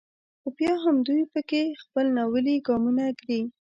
خو بیا هم دوی په کې خپل ناولي ګامونه ږدي.